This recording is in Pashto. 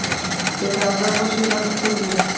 د تازه غوښې رنګ سور وي.